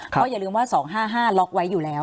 เพราะอย่าลืมว่าสองห้าห้าล็อกไว้อยู่แล้ว